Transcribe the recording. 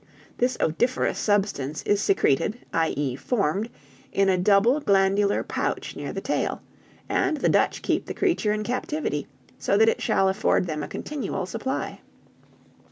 This odoriferous substance is secreted, i. e., formed, in a double glandular pouch near the tail, and the Dutch keep the creature in captivity, so that it shall afford them a continual supply.